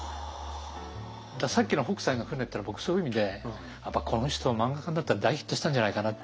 さっきの北斎の舟っていうのは僕そういう意味でやっぱこの人漫画家になったら大ヒットしたんじゃないかなって。